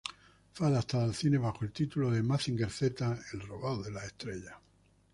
Fue adaptada al cine bajo el título "Mazinger Z, el robot de las estrellas".